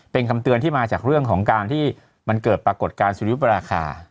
เป็นคำเตือนที่มาจากเรื่องของการที่มันเกิดปรากฏการณ์สุริยุปราคา